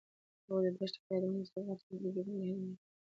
هغوی د دښته له یادونو سره راتلونکی جوړولو هیله لرله.